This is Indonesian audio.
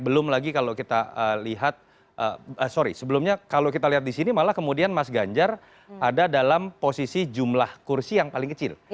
belum lagi kalau kita lihat sorry sebelumnya kalau kita lihat di sini malah kemudian mas ganjar ada dalam posisi jumlah kursi yang paling kecil